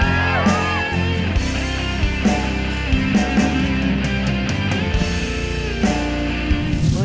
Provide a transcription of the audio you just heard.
มานี่เลย